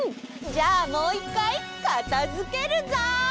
じゃあもういっかいかたづけるぞ！